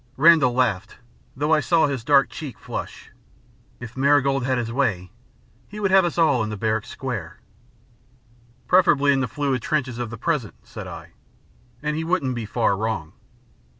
Randall laughed, though I saw his dark cheek flush. "If Marigold had his way he would have us all in a barrack square." "Preferably in those fluid trenches of the present," said I. "And he wouldn't be far wrong."